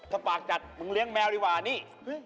ถ้าปากจัดมึงเลี้ยงแมวดีกว่านี่